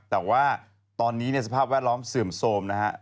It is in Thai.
แต่ว่าตอนนี้สภาพแวดล้อมเสื่อมโทรมนะฮะ